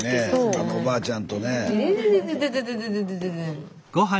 あのおばあちゃんとねえ。